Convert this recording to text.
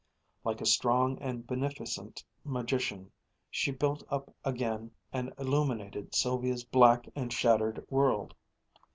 Like a strong and beneficent magician, she built up again and illuminated Sylvia's black and shattered world.